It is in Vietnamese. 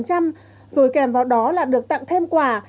rồi kèm vào đó là được tặng thêm quà